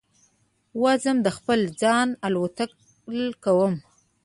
وزم د خپل ځانه الوتل کوم